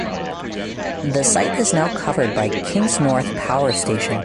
The site is now covered by Kingsnorth Power Station.